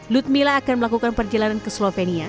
lutmila akan melakukan perjalanan ke slovenia